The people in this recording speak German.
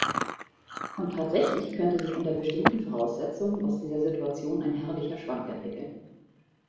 Und tatsächlich könnte sich unter bestimmten Voraussetzungen aus dieser Situation ein herrlicher Schwank entwickeln.